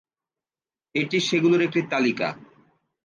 এটি সেগুলোর একটি তালিকা।